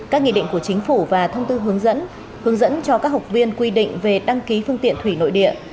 các nghị định của chính phủ và thông tư hướng dẫn hướng dẫn cho các học viên quy định về đăng ký phương tiện thủy nội địa